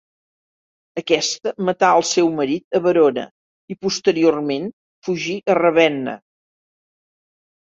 Aquesta matà el seu marit a Verona i posteriorment fugí a Ravenna.